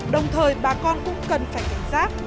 đồng thời bà con cũng cần phải cảnh giác